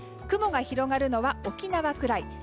雲が広がるのは沖縄くらい。